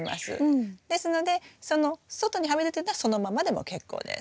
ですのでその外にはみ出てるのはそのままでも結構です。